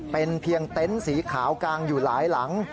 เป็นเพียงเต็นต์สีขาวกางอยู่หลายหลัง